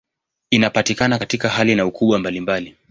Inapatikana katika hali na ukubwa mbalimbali.